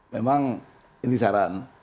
memang ini saran